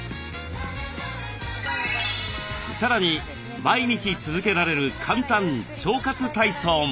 さらに毎日続けられる簡単腸活体操も。